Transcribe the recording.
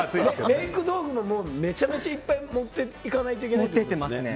メイク道具めちゃめちゃいっぱい持っていかなきゃいけないってことですよね。